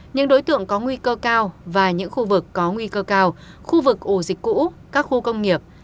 những đối tượng có nguy cơ cao và những khu vực có nguy cơ cao khu vực ổ dịch cũ các khu công nghiệp